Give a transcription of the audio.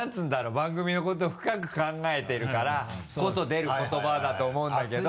番組のことを深く考えているからこそ出る言葉だと思うんだけど。